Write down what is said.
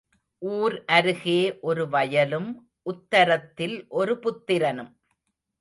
ஊர் அருகே ஒரு வயலும் உத்தரத்தில் ஒரு புத்திரனும்.